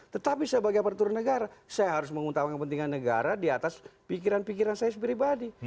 tetapi sebagai aparatur negara saya harus mengutamakan kepentingan negara di atas pikiran pikiran saya pribadi